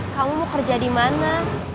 kamu mau kerja di mana